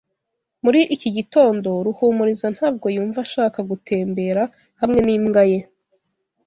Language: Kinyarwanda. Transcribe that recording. Muri iki gitondo, Ruhumuriza ntabwo yumva ashaka gutembera hamwe n'imbwa ye.